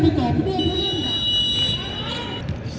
พี่แก่เพื่อนหมาย๙๑